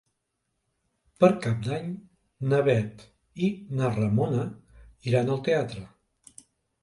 Per Cap d'Any na Bet i na Ramona iran al teatre.